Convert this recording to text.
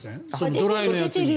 ドライのやつに。